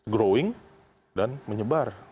growing dan menyebar